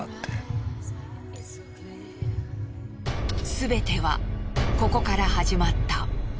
すべてはここから始まった。